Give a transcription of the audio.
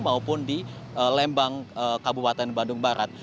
maupun di lembang kabupaten bandung barat